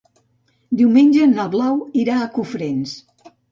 Diumenge na Blau irà a Cofrents.